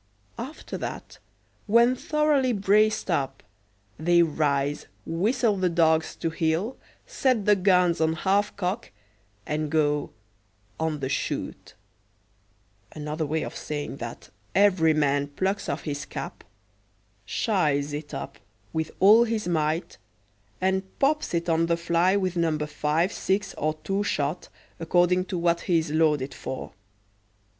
After that, when thoroughly braced up, they rise, whistle the dogs to heel, set the guns on half cock, and go "on the shoot" another way of saying that every man plucks off his cap, "shies" it up with all his might, and pops it on the fly with No. 5, 6, or 2 shot, according to what he is loaded for.